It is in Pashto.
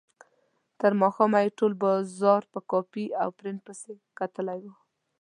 تر ماښامه یې ټول بازار په کاپي او پرنټ پسې کتلی و.